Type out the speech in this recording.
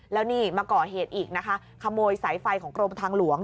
แล้วนี่มาก่อเหตุอีกนะคะขโมยสายไฟของกรมทางหลวง